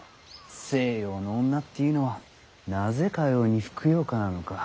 西洋の女っていうのはなぜかようにふくよかなのか。